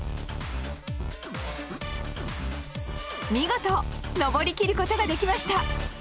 見事上りきることができました！